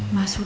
mas sudah tuh